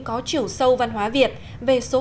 có chiều sâu văn hóa việt về số